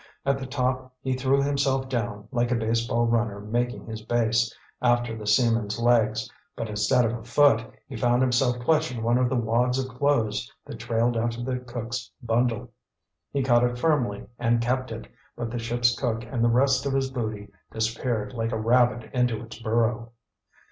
At the top he threw himself down, like a baseball runner making his base, after the seaman's legs; but instead of a foot, he found himself clutching one of the wads of clothes that trailed after the cook's bundle. He caught it firmly and kept it, but the ship's cook and the rest of his booty disappeared like a rabbit into its burrow.